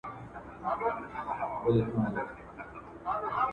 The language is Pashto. پر باوړۍ باندي غویی یې وو لیدلی ..